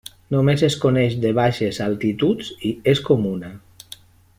Només es coneix de baixes altituds i és comuna.